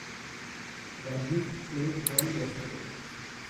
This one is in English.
Rajib played well yesterday.